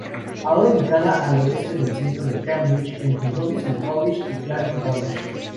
Ahora ubicada al oeste del centro de Cambridge, entre Robinson College y Clare College.